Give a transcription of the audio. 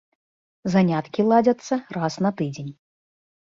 Заняткі ладзяцца раз на тыдзень.